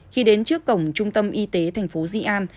khi đến trước cổng trung tâm y tế thành phố di an